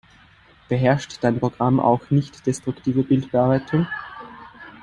Beherrscht dein Programm auch nichtdestruktive Bildbearbeitung?